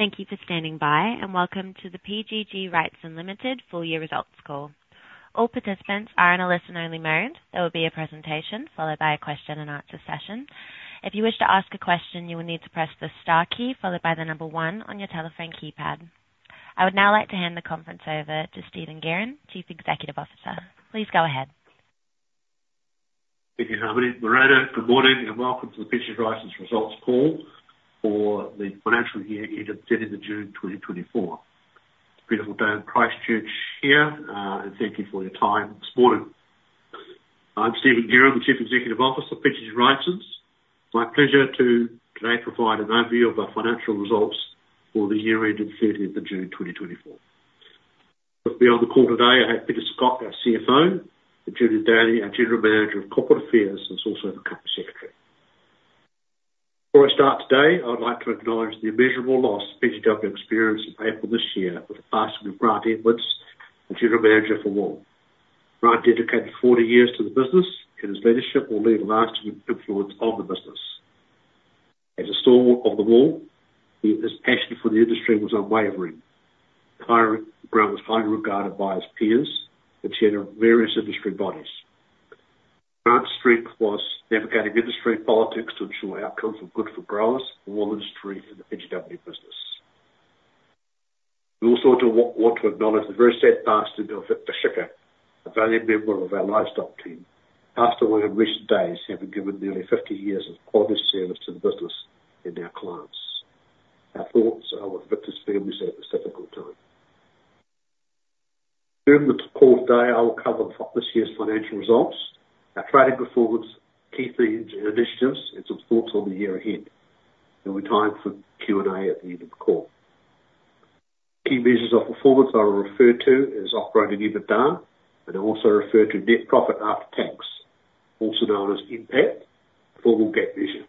Thank you for standing by, and welcome to the PGG Wrightson Limited full year results call. All participants are in a listen-only mode. There will be a presentation, followed by a question and answer session. If you wish to ask a question, you will need to press the star key followed by the number one on your telephone keypad. I would now like to hand the conference over to Stephen Guerin, Chief Executive Officer. Please go ahead. Thank you, Harmony Moreno. Good morning, and welcome to the PGG Wrightson results call for the financial year ended 30th of June, 2024. Beautiful day in Christchurch here, and thank you for your time this morning. I'm Stephen Guerin, the Chief Executive Officer of PGG Wrightson. It's my pleasure to today provide an overview of our financial results for the year ended 30th of June, 2024. With me on the call today, I have Peter Scott, our CFO, and Julian Daly, our General Manager of Corporate Affairs, and also the Company Secretary. Before I start today, I would like to acknowledge the immeasurable loss PGW experienced in April this year with the passing of Grant Edwards, the General Manager for Wool. Grant dedicated 40 years to the business, and his leadership will leave a lasting influence on the business. As a stalwart of the wool, his passion for the industry was unwavering. Grant was highly regarded by his peers and chair of various industry bodies. Grant's strength was navigating industry politics to ensure outcomes were good for growers, the wool industry, and the PGW business. We also want to acknowledge the very sad passing of Victor Schicker, a valued member of our livestock team. Passed away in recent days, having given nearly 50 years of quality service to the business and our clients. Our thoughts are with Victor's family at this difficult time. During the call today, I will cover this year's financial results, our trading performance, key themes and initiatives, and some thoughts on the year ahead. There'll be time for Q&A at the end of the call. Key measures of performance I will refer to as operating EBITDA, and I'll also refer to net profit after tax, also known as NPAT, for GAAP measure.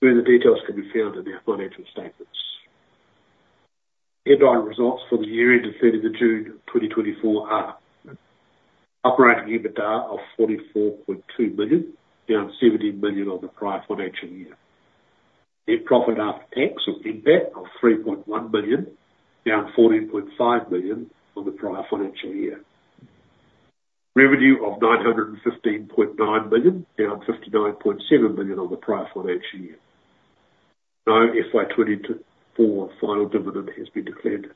Further details can be found in our financial statements. Annual results for the year ended 30th of June 2024 are: operating EBITDA of 44.2 billion, down 17 billion on the prior financial year. Net profit after tax, or NPAT, of 3.1 billion, down 14.5 billion on the prior financial year. Revenue of 915.9 billion, down 59.7 billion on the prior financial year. No FY2024 final dividend has been declared.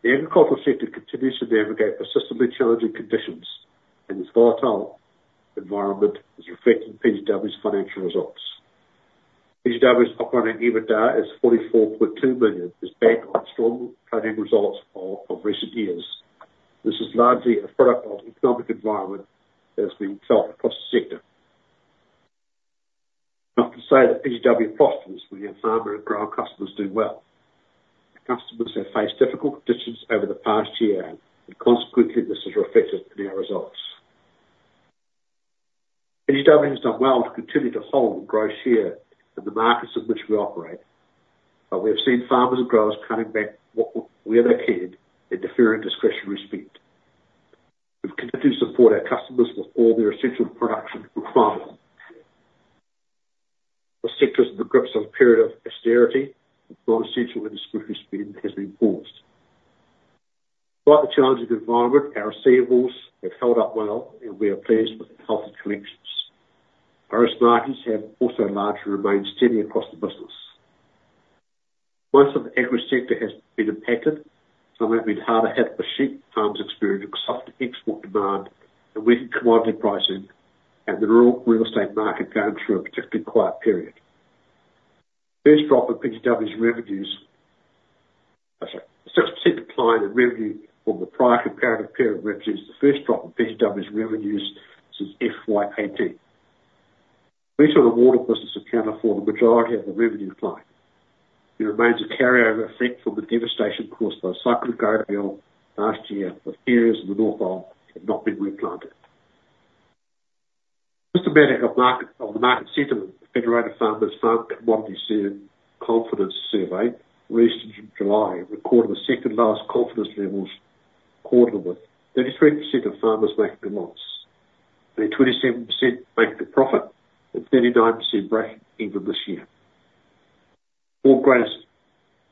Trading performance. The agricultural sector continues to navigate persistently challenging conditions, and this volatile environment is reflecting PGW's financial results. PGW's operating EBITDA is 44.2 billion, is back on strong trading results of recent years. This is largely a product of economic environment that has been felt across the sector. Not to say that PGW customers, we have farmer and grower customers do well. Our customers have faced difficult conditions over the past year, and consequently, this is reflected in our results. PGW has done well to continue to hold gross share in the markets in which we operate, but we have seen farmers and growers cutting back where they can in deferred discretionary spend. We've continued to support our customers with all their essential production requirements. The sector is in the grips of a period of austerity, and non-essential discretionary spend has been paused. Despite the challenging environment, our receivables have held up well, and we are pleased with the health of collections. Our risk margins have also largely remained steady across the business. Most of the agri sector has been impacted. Some have been harder hit, the sheep farms experienced softer export demand and weaker commodity pricing, and the real estate market going through a particularly quiet period. First drop in PGW's revenues... Sorry, significant decline in revenue from the prior comparative period represents the first drop in PGW's revenues since FY2018. Retail and water business account for the majority of the revenue decline. It remains a carryover effect from the devastation caused by Cyclone Gabrielle last year, where areas of the North Island have not been replanted. Just a matter of market, of the market sentiment, Federated Farmers Farm Commodity Survey- Confidence Survey, released in July, recorded the second-lowest confidence levels quarterly, with 33% of farmers making a loss, and 27% making a profit, and 39% breaking even this year. Our greatest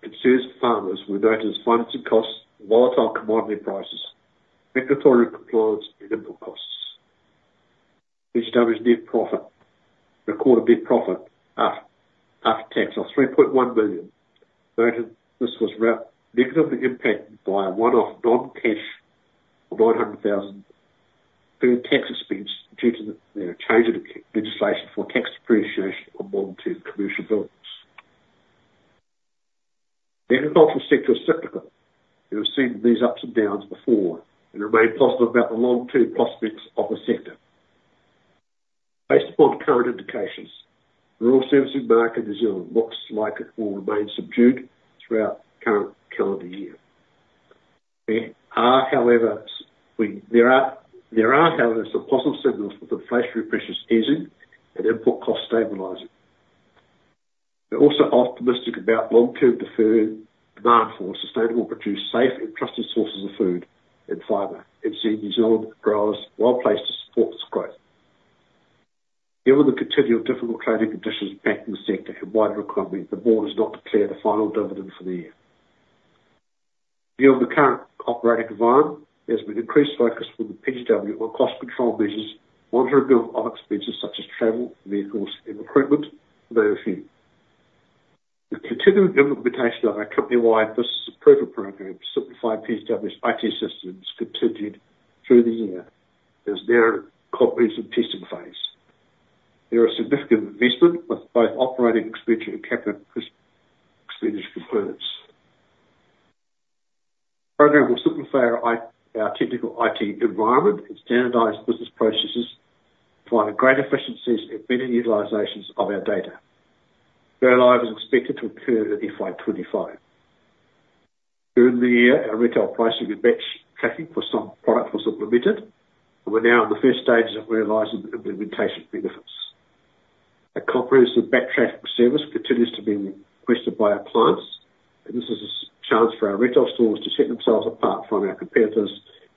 concerns farmers were noting as financing costs, volatile commodity prices, regulatory compliance, and input costs. PGW's net profit, recorded net profit after tax of 3.1 billion, noting this was negatively impacted by a one-off non-cash of 900,000 through tax expense due to the change in legislation for tax depreciation on volunteer commercial buildings. The agricultural sector is cyclical. It has seen these ups and downs before and remain positive about the long-term prospects of the sector. Based upon current indications, the rural servicing market in New Zealand looks like it will remain subdued throughout the current calendar year. There are, however, some positive signals that the inflationary pressures easing and input costs stabilizing. We're also optimistic about long-term deferred demand for sustainable, produced, safe, and trusted sources of food and fiber, and see New Zealand growers well placed to support this growth. Given the continued difficult trading conditions impacting the sector and wider economy, the board has not declared a final dividend for the year. Given the current operating environment, there's been increased focus from the PGW on cost control measures, monitoring of expenses such as travel, vehicles, and recruitment, among a few. The continued implementation of our company-wide business approval program, simplifying PGW's IT systems, continued through the year, is now in comprehensive testing phase. They're a significant investment, with both operating expenditure and capital expenditure requirements. The program will simplify our our technical IT environment and standardize business processes, providing greater efficiencies and better utilizations of our data. Go-live is expected to occur in FY2025. During the year, our retail pricing and batch tracking for some products was implemented, and we're now in the first stages of realizing the implementation benefits. A comprehensive batch tracking service continues to be requested by our clients, and this is a chance for our retail stores to set themselves apart from our competitors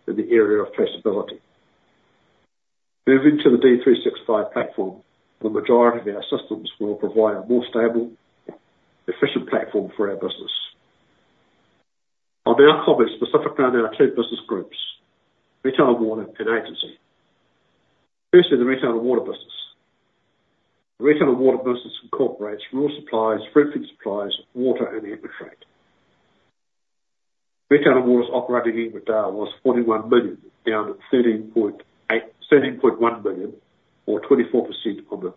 in the area of traceability. Moving to the D365 platform, the majority of our systems will provide a more stable, efficient platform for our business. I'll now cover specifically on our two business groups, Retail and Water, and Agency. Firstly, the Retail and Water business. The Retail and Water business incorporates Rural Supplies, Fruitfed Supplies, water, and aggregate. Retail and Water's operating EBITDA was 41 million, down 13.1 million, or 24% on the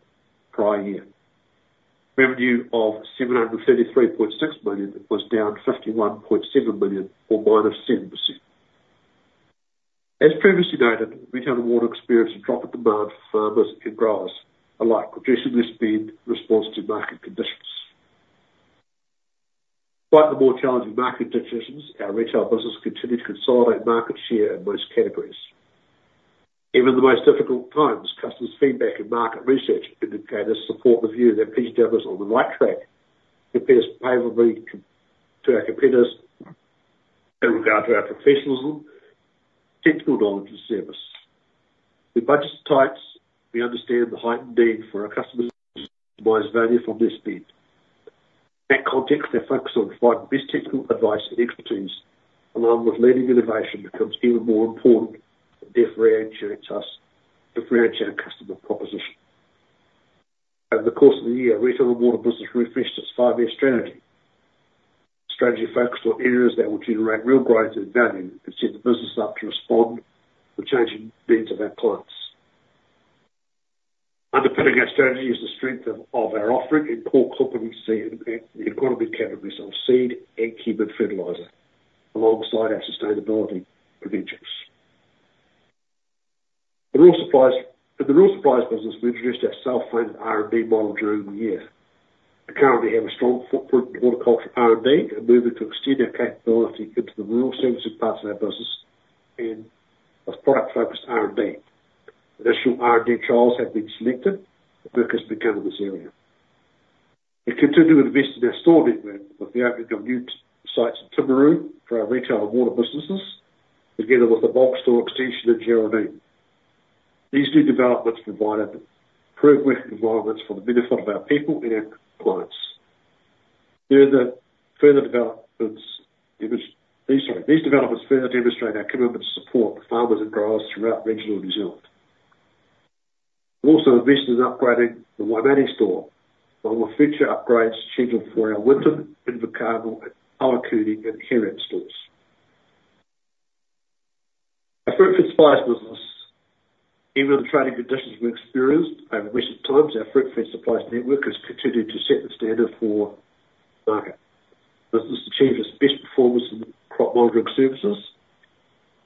prior year. Revenue of 733.6 billion was down 51.7 million, or -7%. As previously noted, Retail and Water experienced a drop in demand for farmers and growers alike, addressing this being response to market conditions. Despite the more challenging market conditions, our retail business continued to consolidate market share in most categories. Even in the most difficult times, customers' feedback and market research indicate and support the view that PGW is on the right track, compares favorably to our competitors in regard to our professionalism, technical knowledge, and service. With budgets tight, we understand the heightened need for our customers to maximize value from this budget. In that context, their focus on providing the best technical advice and expertise, along with leading innovation, becomes even more important, and therefore ensuring trust, to reassure our customer proposition. Over the course of the year, Retail and Water business refreshed its five-year strategy. The strategy focused on areas that will generate real growth and value, and set the business up to respond to the changing needs of our clients. Underpinning our strategy is the strength of our offering in core agronomy seed and the economic categories of seed and bulk fertilizer, alongside our sustainability credentials. The Rural Supplies, in the Rural Supplies business, we introduced our self-funded R&D model during the year. We currently have a strong footprint in horticultural R&D, and are moving to extend our capability into the rural services parts of our business, and a product-focused R&D. Initial R&D trials have been selected, and work has begun in this area. We continue to invest in our store network, with the opening of new sites in Timaru for our Retail and Water businesses, together with the box store extension in Geraldine. These new developments provide improved working environments for the benefit of our people and our clients. These developments further demonstrate our commitment to support the farmers and growers throughout regional New Zealand. We also invested in upgrading the Waimate store, while more future upgrades are scheduled for our Winton, Invercargill, Ohakune, and Hastings stores. Our Fruitfed Supplies business. Even the trading conditions we experienced over recent times, our Fruitfed Supplies network has continued to set the standard for market. Business achieved its best performance in crop monitoring services,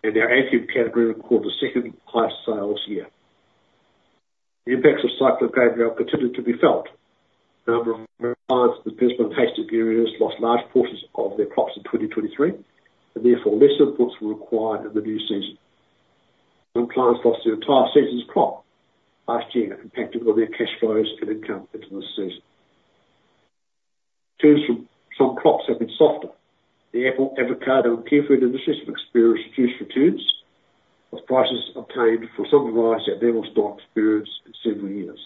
and our agritech category recorded the second highest sales year. The impacts of Cyclone Gabrielle continued to be felt. A number of clients with business in Hastings lost large portions of their crops in 2023, and therefore less inputs were required in the new season. Some clients lost their entire season's crop last year, impacting on their cash flows and income into this season. Returns from some crops have been softer. The apple, avocado, and kiwifruit industries have experienced reduced returns, with prices obtained for some varieties at their lowest point experienced in several years.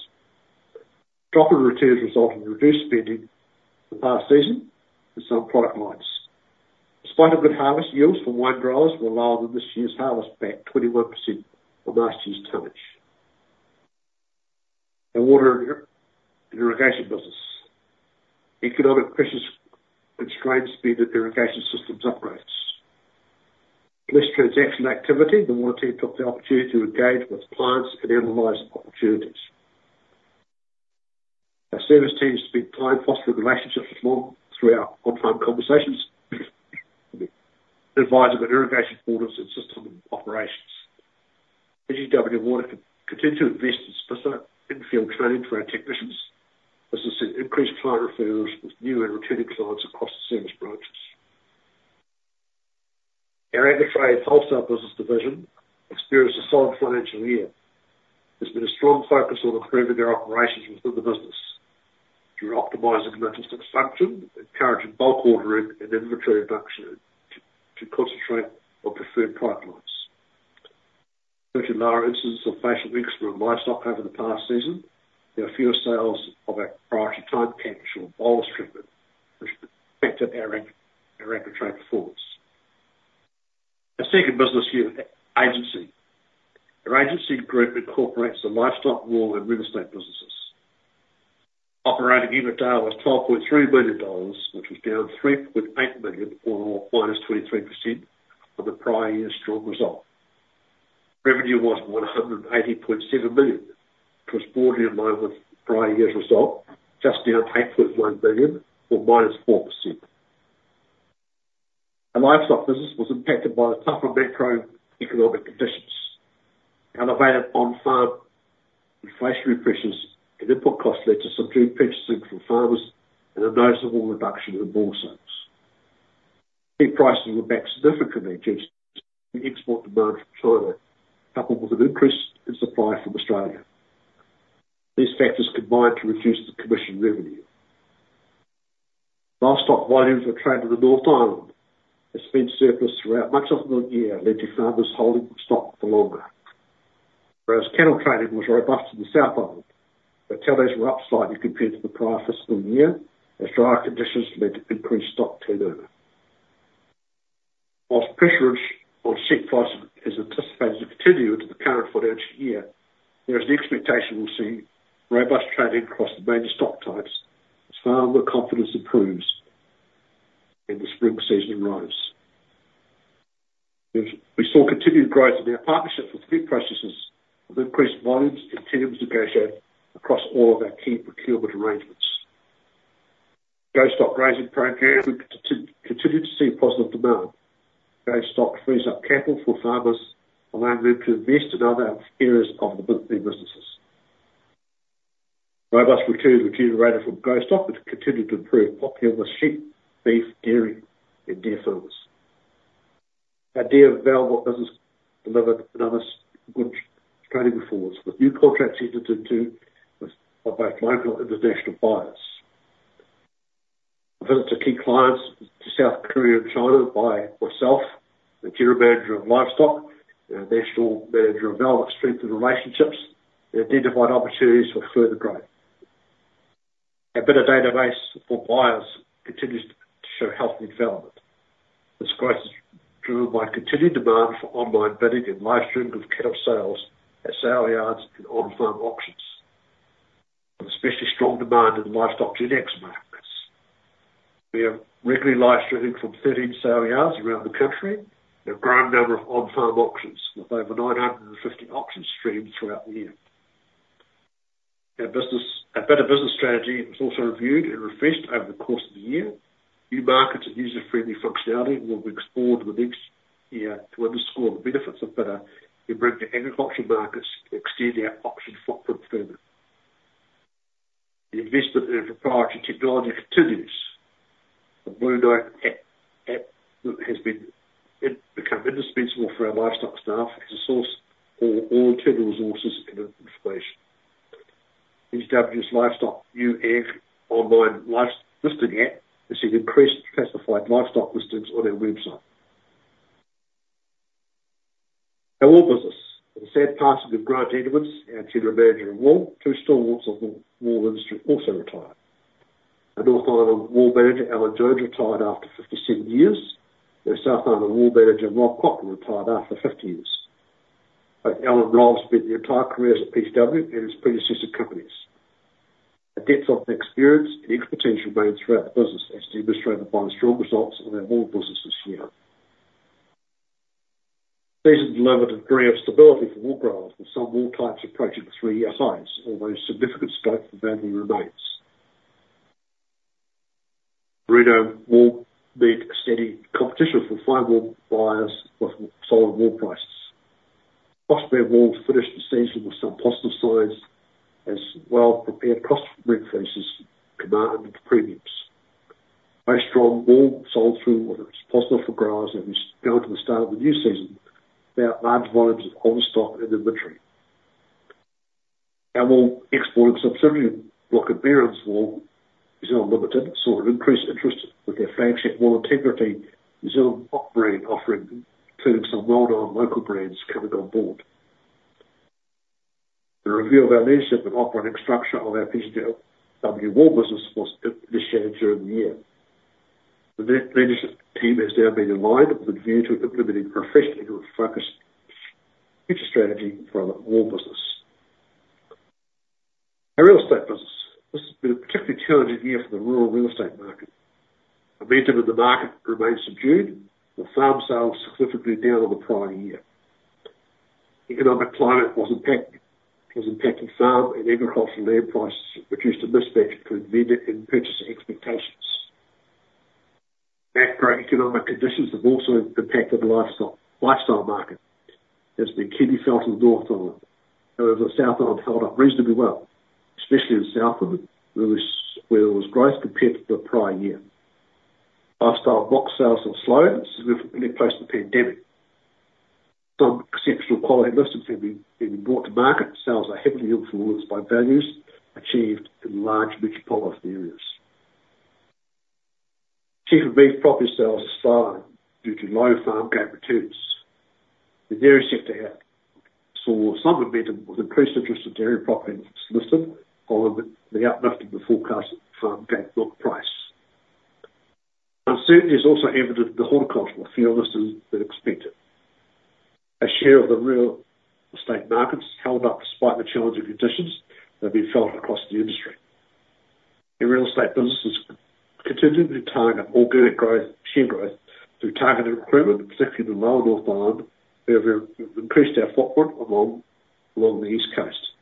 Drop in returns resulted in reduced spending in the past season for some product lines. Despite a good harvest, yields from wine growers were lower than this year's harvest, about 21% from last year's tonnage. The Water and Irrigation business. Economic pressures and strains being that irrigation systems operates. With less transaction activity, the water team took the opportunity to engage with clients and analyze opportunities. Our service teams spent time fostering relationships with more through our on-time conversations, advising on irrigation orders and system operations. PGW Water continued to invest in specific in-field training for our technicians. This has seen increased client referrals with new and returning clients across the service branches. Agritrade Wholesale Business Division experienced a solid financial year. There's been a strong focus on improving our operations within the business through optimizing logistics function, encouraging bulk ordering, and inventory reduction to concentrate on preferred pipelines. There's been lower instances of facial eczema from livestock over the past season. There are fewer sales of our priority Time Capsule bolus treatment, which affected our Agritrade force. The second business unit, Agency. Our agency group incorporates the livestock, wool, and real estate businesses. Operating inventory was 12.3 billion dollars, which was down 3.8 billion or minus 23% from the prior year's strong result. Revenue was 180.7 million, which was broadly in line with prior year's result, just down 8.1 billion or minus 4%. Our livestock business was impacted by the tougher macroeconomic conditions, and elevated on-farm inflationary pressures and input costs led to subdued purchasing from farmers and a noticeable reduction in bull sales. Big prices were back significantly due to the export demand from China, coupled with an increase in supply from Australia. These factors combined to reduce the commission revenue. Livestock volumes were traded in the North Island, as spend surplus throughout much of the year led to farmers holding stock for longer. Whereas cattle trading was robust in the South Island, but till those were up slightly compared to the prior fiscal year, as drier conditions led to increased stock turnover. Whilst pressure on sheep prices is anticipated to continue into the current financial year, there is the expectation we'll see robust trading across the major stock types as farmer confidence improves and the spring season arrives. We saw continued growth in our partnership with meat processors, with increased volumes and terms of negotiate across all of our key procurement arrangements. Go-Stock grazing programs, we continued to see positive demand. Go-Stock frees up capital for farmers, allowing them to invest in other areas of their businesses. Robust returns generated from Go-Stock, which continued to improve popularity with sheep, beef, dairy, and deer farmers. Our deer velvet business delivered another good trading performance, with new contracts entered into with both local and international buyers. I visited key clients to South Korea and China by myself, the General Manager of Livestock. Our National Manager of Velvet strengthened relationships and identified opportunities for further growth. Our bidr database for buyers continues to show healthy development. This growth is driven by continued demand for online bidding and live streaming of cattle sales at Saleyards and on-farm auctions, and especially strong demand in the livestock index markets. We are regularly live streaming from 13 Saleyards around the country and a growing number of on-farm auctions, with over 950 auction streams throughout the year. Our bidr business strategy was also reviewed and refreshed over the course of the year. New markets and user-friendly functionality will be explored within next year to underscore the benefits of bidr in bringing agricultural markets to extend our auction footprint further. The investment in our proprietary technology continues. The Blue Dog App has become indispensable for our livestock staff as a source for all technical resources and information. PGW's AgOnline online live listing app has seen increased classified livestock listings on our website. Our wool business. In the sad passing of Grant Edwards, our General Manager of Wool, two stalwarts of the wool industry also retired. Our North Island Wool Manager, Allan George, retired after 57 years, and South Island Wool Manager, Rob Cochrane, retired after 50 years. Both Alan and Rob spent their entire careers at PGW and its predecessor companies. The depth of experience and expertise remains throughout the business, as demonstrated by the strong results of our wool business this year. These have delivered a degree of stability for wool growers, with some wool types approaching three-year highs, although significant scope for value remains. Merino wool made a steady competition for fine wool buyers with solid wool prices. Crossbred wool finished the season with some positive signs, as well-prepared crossbred faces commanded premiums. Most strong wool sold through, and it was possible for growers that was going to the start of the new season without large volumes of on stock and inventory. Our wool export subsidiary, Bloch & Behrens Wool New Zealand Limited, saw an increased interest with their flagship Wool Integrity New Zealand brand offering, including some well-known local brands coming on board. The review of our leadership and operating structure of our PGW Wool business was initiated during the year. The leadership team has now been aligned with a view to implementing a professionally focused future strategy for our wool business. Our real estate business. This has been a particularly challenging year for the rural real estate market. Momentum in the market remains subdued, with farm sales significantly down on the prior year. Economic climate was impacting farm and agricultural land prices, which was a mismatch between vendor and purchaser expectations. Macroeconomic conditions have also impacted the lifestyle market... has been keenly felt in the North Island, however, the South Island held up reasonably well, especially in the south of it, where there was growth compared to the prior year. Lifestyle block sales are slow, significantly post the pandemic. Some exceptional quality listings have been being brought to market. Sales are heavily influenced by values achieved in large metropolitan areas. Sheep and beef property sales are slow due to low farm gate returns. The dairy sector had saw some momentum with increased interest in dairy properties listed following the uplift of the forecast farm gate milk price. Uncertainty is also evident in the horticultural sector, with fewer listings than expected. A share of the real estate markets held up despite the challenging conditions that have been felt across the industry. In real estate businesses, continuing to target organic growth, share growth through targeted recruitment, particularly in the lower North Island, where we've increased our footprint along the East Coast.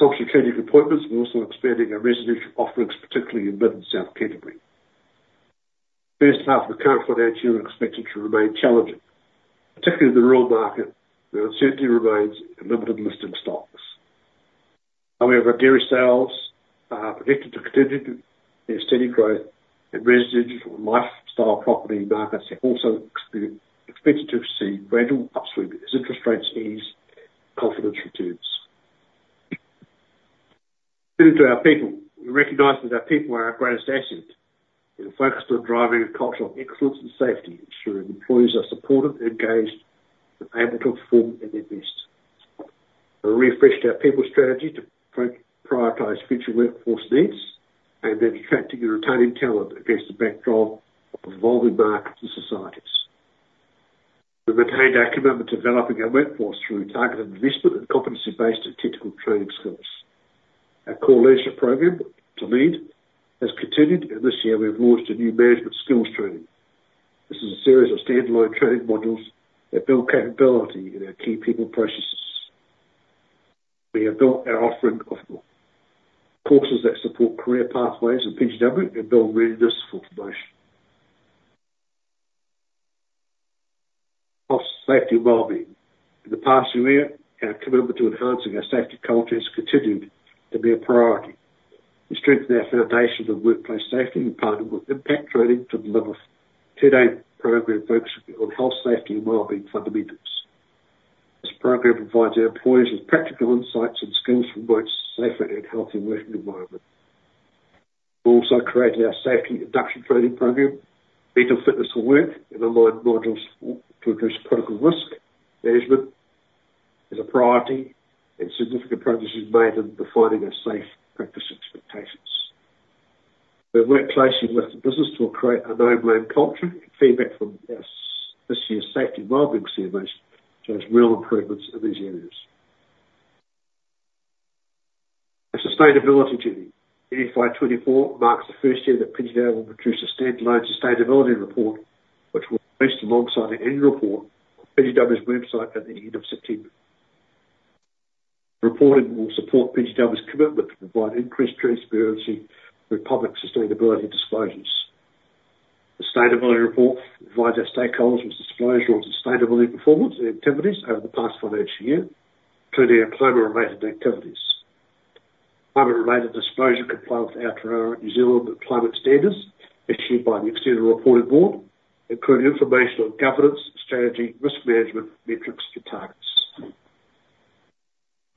Some strategic appointments, we're also expanding our residential offerings, particularly in Mid and South Canterbury. First half of the current financial year are expected to remain challenging, particularly the rural market, where uncertainty remains in limited listing stocks. However, dairy sales are predicted to continue the steady growth in residential and lifestyle property markets, and also expected to see gradual upswing as interest rates ease consumer confidence returns. Turning to our people. We recognize that our people are our greatest asset, and are focused on driving a culture of excellence and safety, ensuring employees are supported, engaged, and able to perform at their best. We refreshed our people strategy to prioritize future workforce needs, and then attracting and retaining talent against the backdrop of evolving markets and societies. We maintained our commitment to developing our workforce through targeted investment and competency-based and technical training skills. Our core leadership program, to lead, has continued, and this year we've launched a new management skills training. This is a series of standalone training modules that build capability in our key people processes. We have built our offering of courses that support career pathways in PGW and build really useful information. Health, safety, and well-being. In the past year, our commitment to enhancing our safety culture has continued to be a priority. We strengthened our foundations of workplace safety in partner with Impact Training to deliver a two-day program focused on health, safety, and well-being fundamentals. This program provides our employees with practical insights and skills to promote safer and healthier working environment. We also created our safety induction training program, Mental Fitness for Work, and online modules for, to address critical risk management as a priority, and significant progress is made in defining our safe practice expectations. We're working closely with the business to create a no-blame culture. Feedback from this year's safety and wellbeing surveys shows real improvements in these areas. Our sustainability journey. FY2024 marks the first year that PGW will produce a standalone sustainability report, which will release alongside the annual report on PGW's website at the end of September. Reporting will support PGW's commitment to provide increased transparency with public sustainability disclosures. The sustainability report provides our stakeholders with disclosure on sustainability performance and activities over the past financial year, including our climate related activities. Climate related disclosure compliance after our New Zealand climate standards, issued by the External Reporting Board, including information on governance, strategy, risk management, metrics and targets.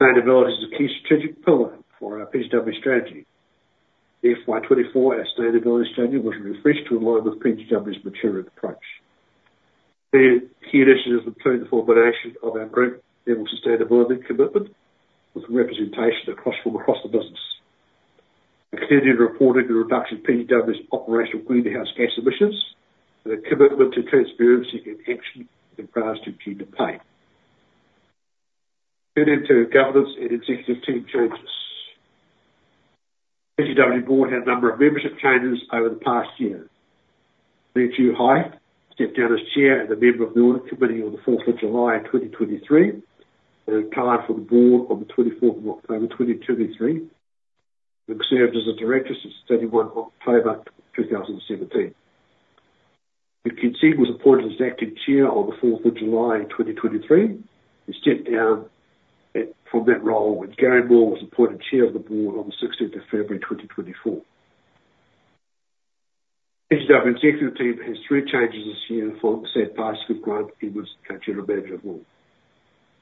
Sustainability is a key strategic pillar for our PGW strategy. FY2024, our sustainability strategy was refreshed to align with PGW's maturity approach. The key initiatives include the formation of our group-level sustainability commitment, with representation across the business. Extended reporting and reduction of PGW's operational greenhouse gas emissions, and a commitment to transparency and action in regards to gender pay. Turning to governance and executive team changes. PGW board had a number of membership changes over the past year. Joo Hai Lee stepped down as chair and a member of the audit committee on the 4th of July 2023, and retired from the board on the 24th of October 2023. Served as a director since 31 of October 2017. U Kean Seng was appointed as acting chair on the 4th of July 2023. He stepped down from that role when Garry Moore was appointed chair of the board on the 16th of February 2024. PGW executive team has three changes this year, following the sad passing of Grant Edwards, our General Manager of Wool.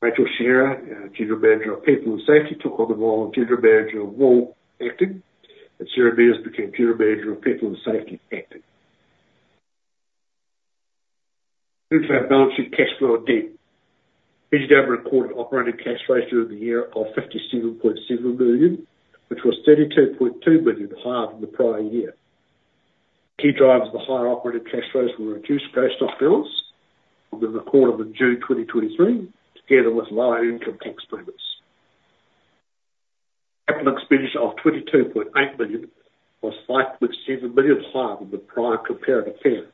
Rachel Shearer, our General Manager of People and Safety, took on the role of General Manager of Wool, acting, and Sarah Moyes became General Manager of People and Safety, acting. Moving to our balancing cash flow and debt. PGW recorded operating cash flows during the year of 57.7 million, which was 32.2 million higher than the prior year. Key drivers of the higher operating cash flows were reduced cash stock balance on the quarter of the June 2023, together with lower income tax payments. Capital expenditure of 22.8 million, was 5.7 million higher than the prior comparative year.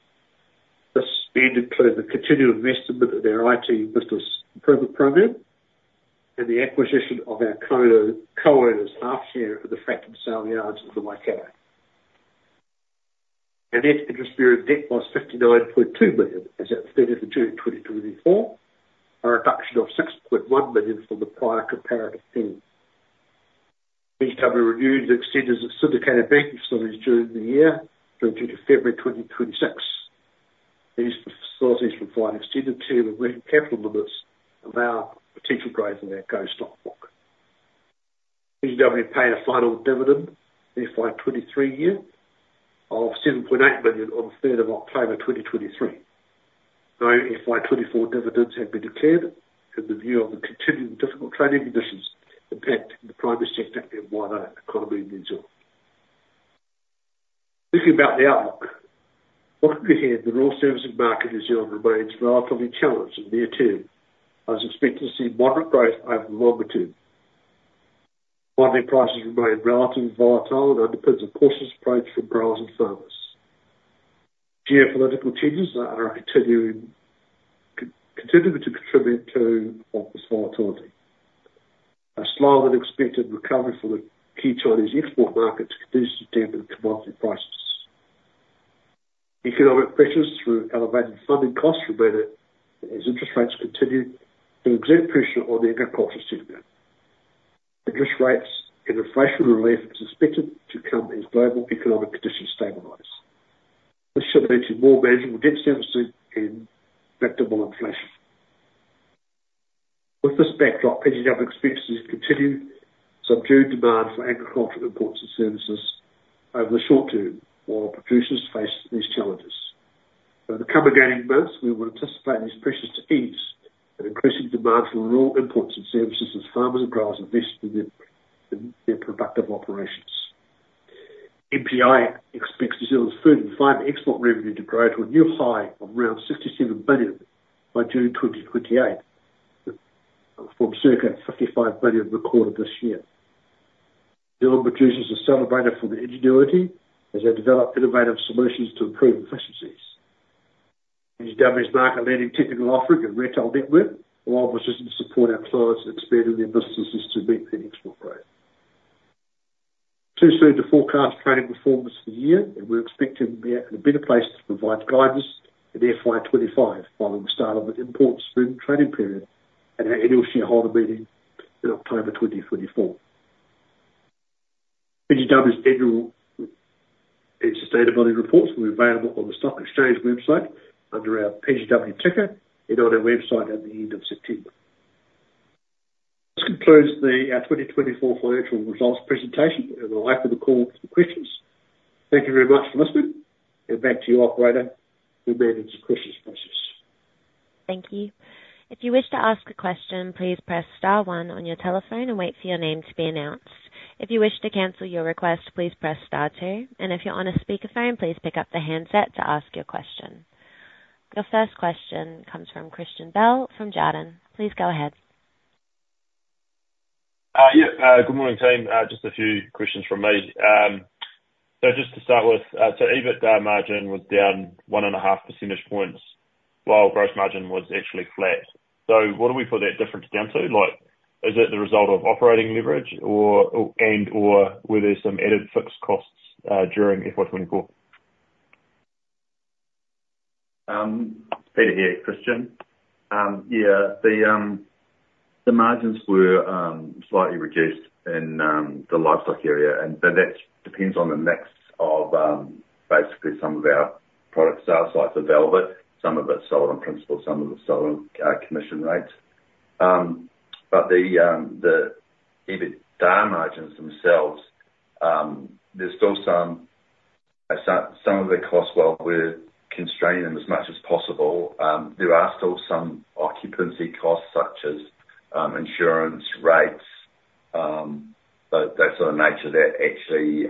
This spend included the continued investment of their IT business improvement program, and the acquisition of our co-owners' half share of the Frankton Saleyards of the Waikato. Our net interest period debt was 59.2 billion, as at thirtieth of June, 2024, a reduction of 6.1 million from the prior comparative period. PGW reviewed and extended its syndicated banking facilities during the year through to February 2026. These facilities provide extended tier and greater capital limits of our potential growth in our Go-Stock block. PGW paid a final dividend in FY2023 year of 7.8 billion on the third of October, 2023. No FY2024 dividends have been declared in the view of the continuing difficult trading conditions impacting the private sector and wider economy in New Zealand. Thinking about the outlook, what we have, the rural services market in New Zealand remains relatively challenged in the near term, as expected to see moderate growth over the longer term. Farming prices remain relatively volatile and that depends on cautious approach from growers and farmers. Geopolitical changes are continuing to contribute to overall volatility. A slower than expected recovery from the key Chinese export market continues to dampen commodity prices. Economic pressures through elevated funding costs remain as interest rates continue to exert pressure on the agricultural sector. Interest rates and inflation relief is expected to come as global economic conditions stabilize. This should lead to more manageable debt services and predictable inflation. With this backdrop, PGW expects to continue subdued demand for agricultural imports and services over the short term, while producers face these challenges. Over the coming months, we would anticipate these pressures to ease and increasing demand for rural imports and services as farmers and growers invest in their productive operations. MPI expects New Zealand's food and fiber export revenue to grow to a new high of around 67 billion by June 2028, from circa 55 billion recorded this year. New Zealand producers are celebrated for their ingenuity, as they develop innovative solutions to improve efficiencies. PGW's market-leading technical offering and retail network allow us to support our clients expanding their businesses to meet their export growth. Too soon to forecast trading performance for the year, and we're expecting to be in a better place to provide guidance in FY2025, following the start of an important trading period at our annual shareholder meeting in October 2024. PGW's annual and sustainability reports will be available on the stock exchange website under our PGW ticker and on our website at the end of September. This concludes the 2024 financial results presentation, and I'll open the call to questions. Thank you very much for listening, and back to you, operator. We may begin the questions process. Thank you. If you wish to ask a question, please press star one on your telephone and wait for your name to be announced. If you wish to cancel your request, please press star two, and if you're on a speakerphone, please pick up the handset to ask your question. Your first question comes from Christian Bell, from Jarden. Please go ahead. Yeah, good morning, team. Just a few questions from me. So just to start with, so EBIT margin was down 1.5 percentage points, while gross margin was actually flat. So what do we put that difference down to? Like, is it the result of operating leverage, or, or, and, or were there some added fixed costs during FY2024? Peter here, Christian. Yeah, the margins were slightly reduced in the livestock area, but that depends on the mix of basically some of our product sales, like the velvet. Some of it's sold on principal, some of it's sold on commission rates. But the EBITDAR margins themselves, there's still some of the costs, while we're constraining them as much as possible, there are still some occupancy costs, such as insurance, rates, that sort of nature, that actually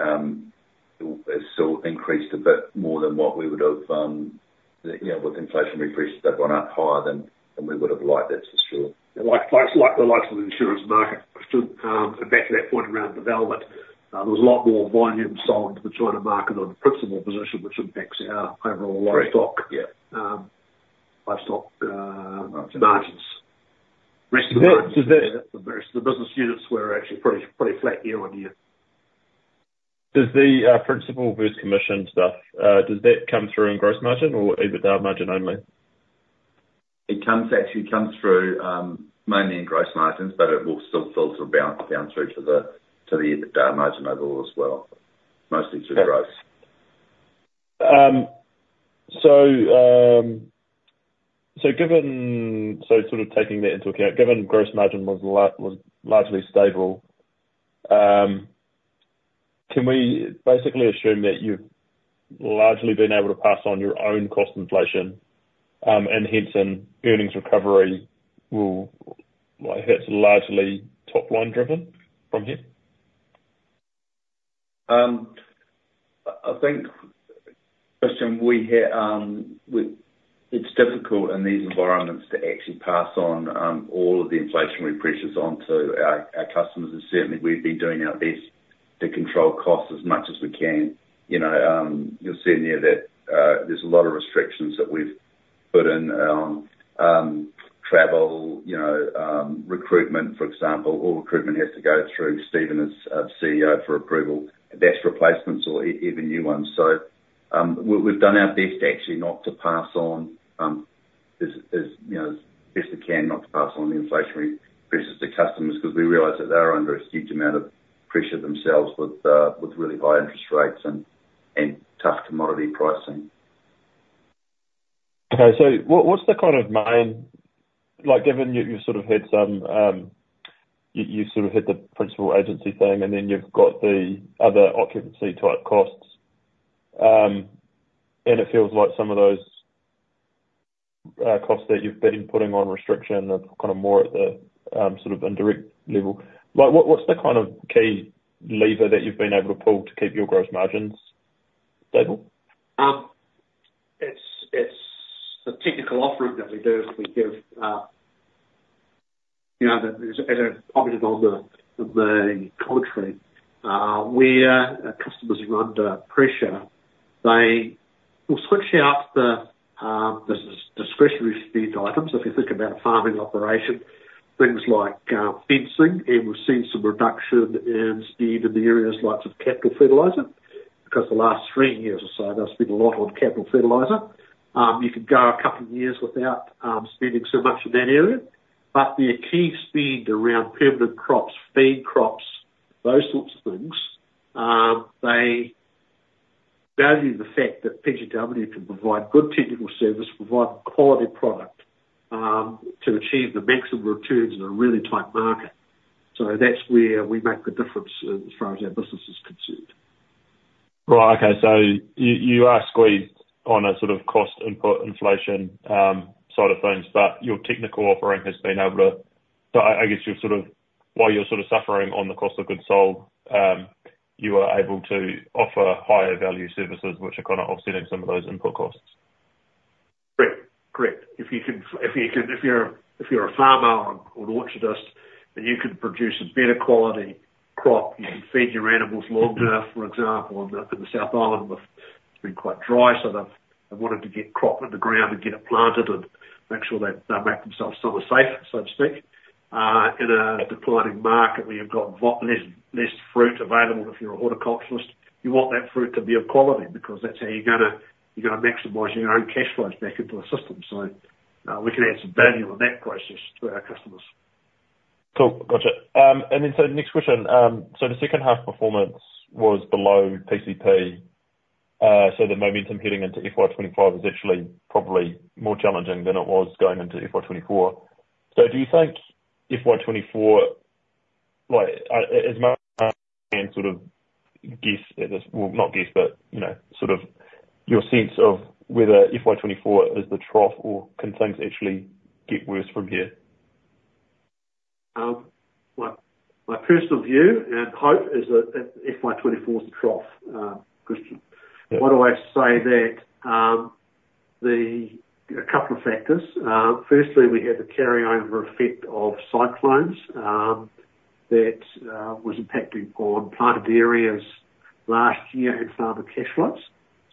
still has increased a bit more than what we would have, you know, with inflationary pressures, they've gone up higher than we would have liked. That's for sure. Like price, like the likes of the insurance market, and back to that point around development, there was a lot more volume sold to the China market on a principal position, which impacts our overall livestock- Right. Yeah. Livestock, margins. Does that- The rest of the business units were actually pretty, pretty flat year-on-year. Does the principal versus commission stuff come through in gross margin or EBITDAR margin only? It comes, actually comes through, mainly in gross margins, but it will still filter balance down through to the EBITDA margin overall as well. Mostly to gross. So, given... So sort of taking that into account, given gross margin was largely stable, can we basically assume that you've largely been able to pass on your own cost inflation, and hence an earnings recovery will, like, that's largely top-line driven from here? I think, Christian, it's difficult in these environments to actually pass on all of the inflationary pressures onto our customers, and certainly we've been doing our best to control costs as much as we can. You know, you'll see in there that there's a lot of restrictions that we've-... put in, travel, you know, recruitment, for example. All recruitment has to go through Stephen, as CEO for approval, that's replacements or even new ones. So, we've done our best actually not to pass on, you know, as best we can, not to pass on the inflationary pressures to customers, 'cause we realize that they are under a huge amount of pressure themselves with, with really high interest rates and, and tough commodity pricing. Okay, so what, what's the kind of main—like, given you've sort of had some, you sort of hit the principal agency thing, and then you've got the other occupancy type costs, and it feels like some of those costs that you've been putting on restriction are kind of more at the sort of indirect level. Like, what, what's the kind of key lever that you've been able to pull to keep your gross margins stable? It's the technical offering that we do. We give, you know, as a positive on the contrary, where our customers are under pressure, they will switch out the discretionary spend items. If you think about a farming operation, things like fencing, and we've seen some reduction in spend in the areas like of capital fertilizer, 'cause the last three years or so, they've spent a lot on capital fertilizer. You could go a couple years without spending so much in that area, but the key spend around permanent crops, feed crops, those sorts of things, they value the fact that PGW can provide good technical service, provide quality product, to achieve the maximum returns in a really tight market. So that's where we make the difference as far as our business is concerned. Right, okay. So you are squeezed on a sort of cost input inflation side of things, but your technical offering has been able to... So I guess you're sort of, while you're sort of suffering on the cost of goods sold, you are able to offer higher value services, which are kind of offsetting some of those input costs? Correct. If you're a farmer or an orchardist, and you can produce a better quality crop, you feed your animals longer, for example, in the South Island. It's been quite dry, so they've wanted to get crop in the ground and get it planted, and make sure they make themselves summer safe, so to speak. In a declining market, where you've got a lot less fruit available if you're a horticulturalist, you want that fruit to be of quality, because that's how you're gonna maximize your own cash flows back into the system. So, we can add some value on that process to our customers. Cool, gotcha. And then, so the next question, so the second half performance was below PCP, so the momentum heading into FY2025 is actually probably more challenging than it was going into FY2024. So do you think FY2024, like, as much sort of guess at this, well, not guess, but, you know, sort of your sense of whether FY2024 is the trough or can things actually get worse from here? My personal view and hope is that FY2024 is the trough, Christian. Yeah. Why do I say that? A couple of factors. Firstly, we had the carry over effect of cyclones that was impacting on planted areas last year and farmer cash flows.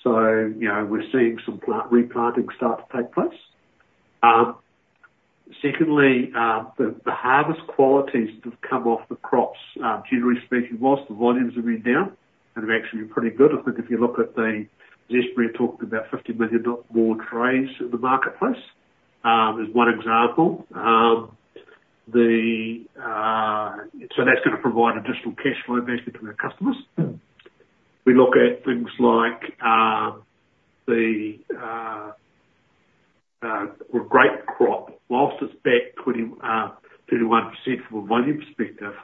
So, you know, we're seeing some replanting start to take place. Secondly, the harvest qualities that have come off the crops, generally speaking, whilst the volumes have been down, have actually been pretty good. I think if you look at Zespri are talking about 50 million or more trays in the marketplace, as one example. So that's gonna provide additional cash flow basically to our customers. We look at things like the grape crop, whilst it's back 20%-31% from a volume perspective,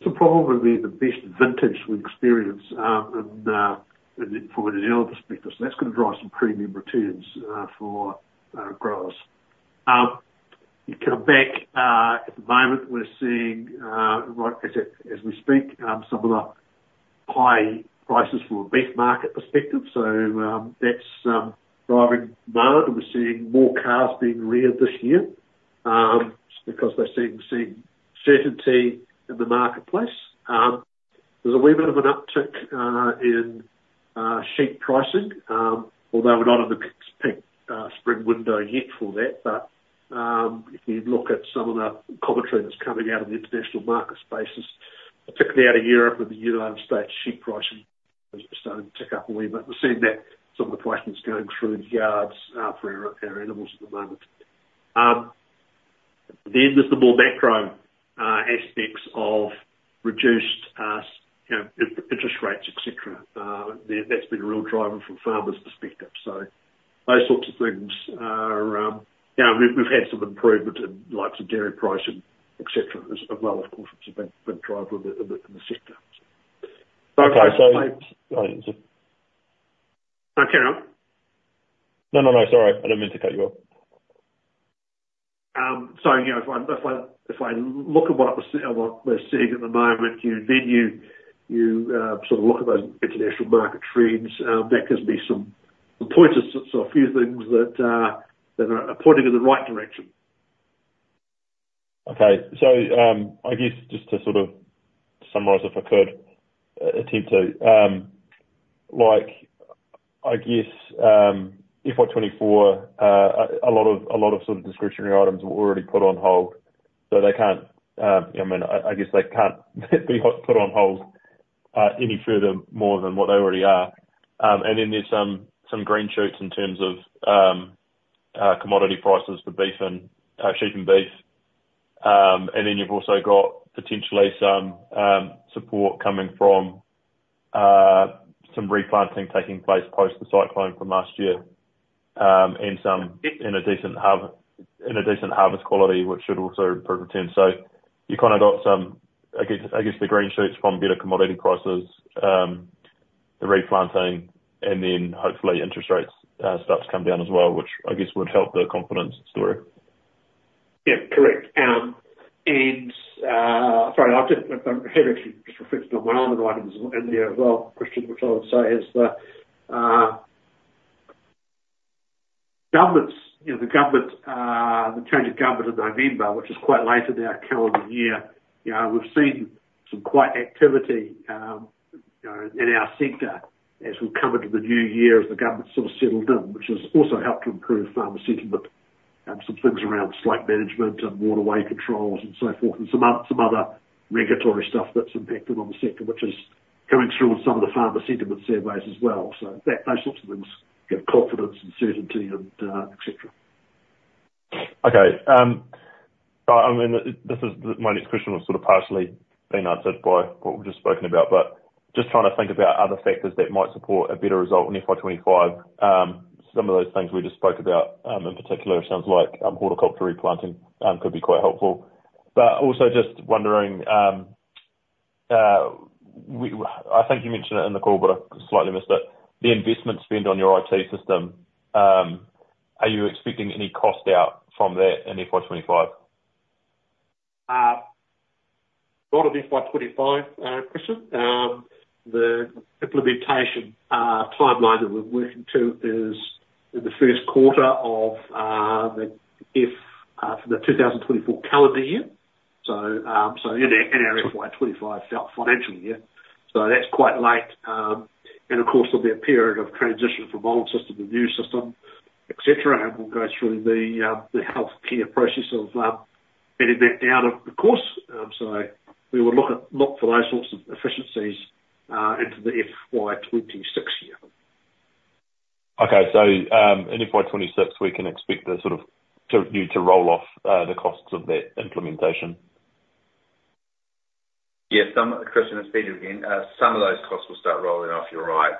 it's probably the best vintage we've experienced from a general perspective. So that's gonna drive some premium returns for growers. You come back at the moment, we're seeing like as we speak some of the high prices from a beef market perspective, so that's driving demand, and we're seeing more cows being reared this year because they're seeing certainty in the marketplace. There's a wee bit of an uptick in sheep pricing although we're not in the spring window yet for that, but if you look at some of the commentary that's coming out of the international market spaces, particularly out of Europe and the United States, sheep pricing is starting to tick up a wee bit. We're seeing that, some of the prices going through the yards for our animals at the moment. Then there's the more macro aspects of reduced, you know, interest rates, et cetera. That's been a real driver from farmers' perspective. So those sorts of things are, you know, we've had some improvement in the likes of dairy pricing, et cetera, as well, of course, it's a big, big driver in the sector. Okay, so- Okay. No, no, no, sorry, I didn't mean to cut you off. So, you know, if I look at what we're seeing at the moment, then you sort of look at those international market trends, that gives me some pointers. So a few things that are pointing in the right direction.... Okay, so, I guess just to sort of summarize, if I could, attempt to, like, I guess, FY2024, a lot of sort of discretionary items were already put on hold, so they can't, I mean, I guess they can't be put on hold any further more than what they already are. And then there's some green shoots in terms of commodity prices for beef and sheep and beef. And then you've also got potentially some support coming from some replanting taking place post the cyclone from last year, and a decent harvest quality, which should also improve returns. So you kinda got some, I guess, I guess the green shoots from better commodity prices, the replanting, and then hopefully interest rates start to come down as well, which I guess would help the confidence story. Yeah. Correct. And, sorry, I've actually just reflected on my own items in there as well, Christian, which I would say is the government's, you know, the government, the change of government in November, which is quite late in our calendar year, you know, we've seen some quite activity, you know, in our sector as we've come into the new year, as the government sort of settled in, which has also helped to improve farmer sentiment, some things around slate management and waterway controls and so forth, and some other regulatory stuff that's impacted on the sector, which is coming through on some of the farmer sentiment surveys as well. So that, those sorts of things give confidence and certainty and, et cetera. Okay, so I mean, this is my next question was sort of partially being answered by what we've just spoken about, but just trying to think about other factors that might support a better result in FY2025. Some of those things we just spoke about, in particular, sounds like, horticulture replanting, could be quite helpful. But also just wondering, I think you mentioned it in the call, but I slightly missed it, the investment spend on your IT system, are you expecting any cost out from that in FY2025? Not in FY2025, Christian. The implementation timeline that we're working to is in the first quarter of the FY for the 2024 calendar year. So, so in our FY2025 financial year, so that's quite late. And of course, there'll be a period of transition from old system to new system, et cetera, and we'll go through the handover process of bedding that down over the course. So we will look for those sorts of efficiencies into the FY2026 year. Okay, so, in FY2026, we can expect the sort of, to you to roll off, the costs of that implementation? Yeah, Christian, it's Peter again. Some of those costs will start rolling off, you're right.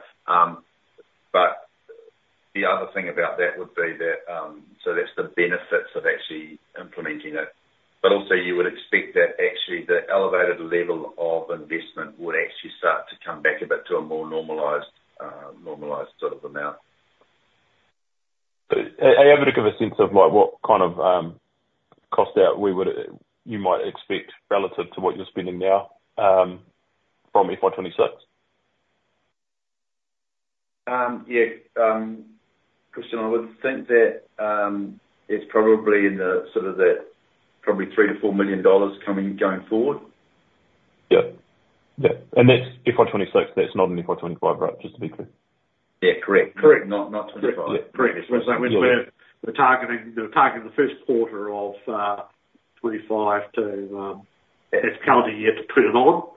But the other thing about that would be that, so that's the benefits of actually implementing it. But also you would expect that actually the elevated level of investment would actually start to come back a bit to a more normalized, normalized sort of amount. So, are you able to give a sense of like, what kind of cost out we would, you might expect relative to what you're spending now, from FY2026? Yeah, Christian, I would think that it's probably in the sort of probably 3 million-4 million dollars coming going forward. Yeah. Yeah, and that's FY2026, that's not in FY2025, right? Just to be clear. Yeah. Correct. Correct. Not, not 25. Correct. We're targeting the first quarter of 2025 to FY calendar year to put it on,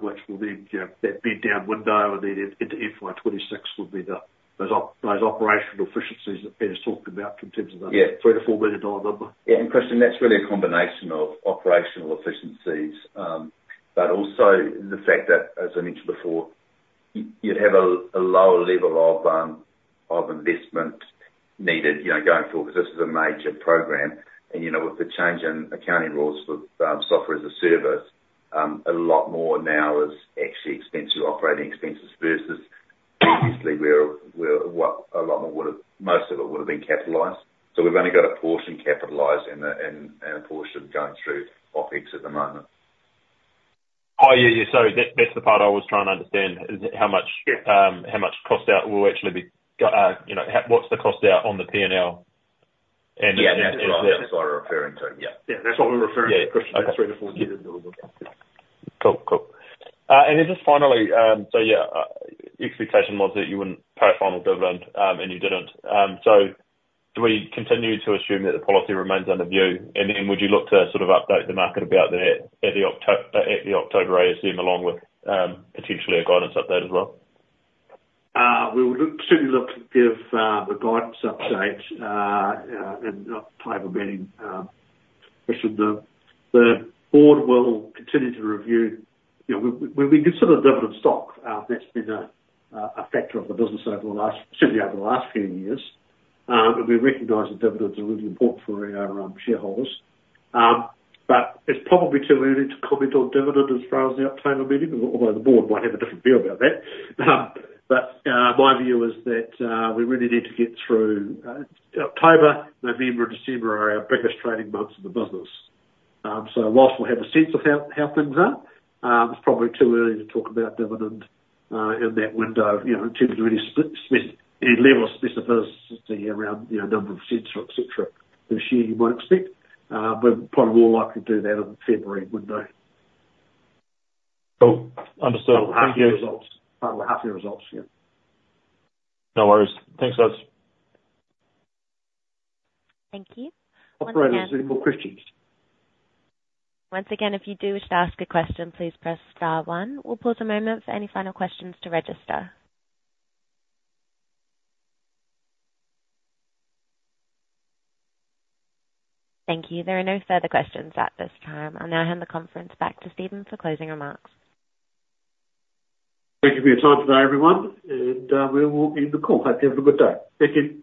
which will be, you know, that big downtime window and then into FY2026 will be those operational efficiencies that Peter's talking about in terms of the- Yeah. 3-4 million dollar number. Yeah, and Christian, that's really a combination of operational efficiencies, but also the fact that, as I mentioned before, you'd have a lower level of investment needed, you know, going forward, 'cause this is a major program, and, you know, with the change in accounting rules for software as a service, a lot more now is actually expense to operating expenses versus previously where a lot more would've, most of it would've been capitalized. So we've only got a portion capitalized and a portion going through OpEx at the moment. Oh, yeah, yeah. So that, that's the part I was trying to understand, is how much- Yeah. How much cost out will actually be, you know, what's the cost out on the P&L, and Yeah, that's what I was referring to, yeah. Yeah, that's what we're referring to- Yeah. NZD 3 million-NZD 4 million. Cool. Cool. And then just finally, so yeah, expectation was that you wouldn't pay a final dividend, and you didn't. So do we continue to assume that the policy remains under review? And then would you look to sort of update the market about that at the October ASM, along with potentially a guidance update as well? We will look, certainly look to give the guidance update in October meeting, which is the board will continue to review... You know, we've been sort of a dividend stock, that's been a factor of the business over the last, certainly over the last few years. And we recognize that dividends are really important for our shareholders. But it's probably too early to comment on dividend as far as the October meeting, although the board might have a different view about that. But my view is that we really need to get through October, November, December are our biggest trading months of the business. So whilst we'll have a sense of how things are, it's probably too early to talk about dividend in that window, you know, in terms of any specific level of specificity around, you know, number of cents or et cetera, this year you might expect, but probably more likely to do that in the February window. Cool. Understood. Thank you. Half-year results. Half-year results, yeah. No worries. Thanks, guys. Thank you. Once again- Operators, any more questions? Once again, if you do wish to ask a question, please press star one. We'll pause a moment for any final questions to register. Thank you. There are no further questions at this time. I'll now hand the conference back to Stephen for closing remarks. Thank you for your time today, everyone, and, we will end the call. Hope you have a good day. Thank you.